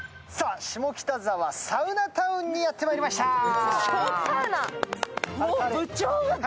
下北沢サウナタウンにやってまいりました。